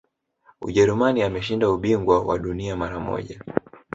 ujerumani ameshinda ubingwa wa dunia mara moja